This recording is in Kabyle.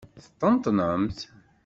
Teṭṭenṭnemt?